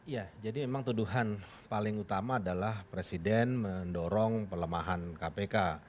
ya jadi memang tuduhan paling utama adalah presiden mendorong pelemahan kpk